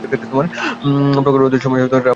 প্রখর রৌদ্রের সময় রামুতে গিয়া পৌঁছিলেন।